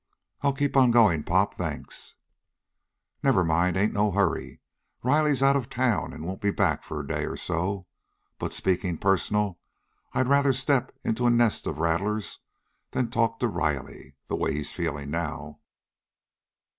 "I'll keep on going, Pop. Thanks!" "Never mind, ain't no hurry. Riley's out of town and won't be back for a day or so. But, speaking personal, I'd rather step into a nest of rattlers than talk to Riley, the way he's feeling now."